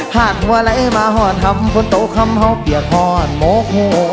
หาดหัวไหลมาหอดทำฝนโต๊ะคำเห่าเปียกหอนโมกหัว